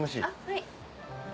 はい。